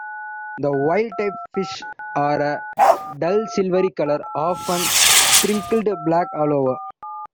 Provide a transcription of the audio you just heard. The wild-type fish are a dull silvery color, often sprinkled black all over.